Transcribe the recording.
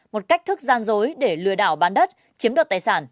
một cách thức gian dối để lừa đảo bán đất chiếm đoạt tài sản